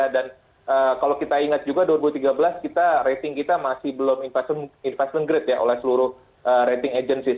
dan kalau kita ingat juga dua ribu tiga belas rating kita masih belum investment grade oleh seluruh rating agencies